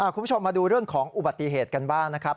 คุณผู้ชมมาดูเรื่องของอุบัติเหตุกันบ้างนะครับ